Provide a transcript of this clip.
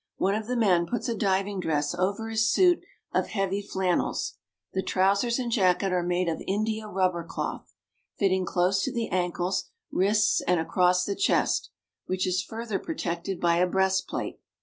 One of the men puts a diving dress over his suit of heavy flannels. The trousers and jacket are made of India rubber cloth, fitting close to the ankles, wrists, and across the chest, which is further protected by a breastplate.